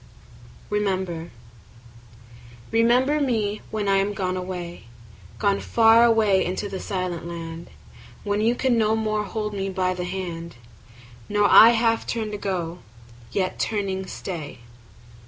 Remember REMEMBER me when I am gone away, Gone far away into the silent land; When you can no more hold me by the hand, Nor I half turn to go, yet turning stay.